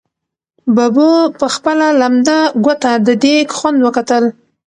ببو په خپله لمده ګوته د دېګ خوند وکتل.